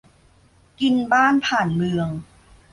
กินบ้านผ่านเมือง